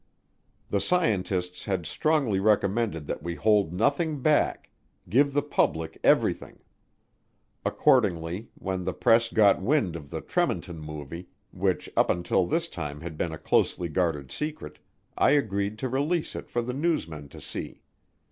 The scientists had strongly recommended that we hold nothing back give the public everything. Accordingly, when the press got wind of the Tremonton Movie, which up until this time had been a closely guarded secret, I agreed to release it for the newsmen to see.